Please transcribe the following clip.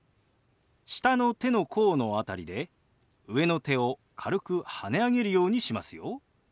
下の手の甲の辺りで上の手を軽くはね上げるようにしますよ。